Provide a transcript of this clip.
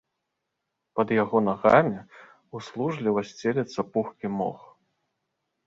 Пад яго нагамі ўслужліва сцелецца пухкі мох.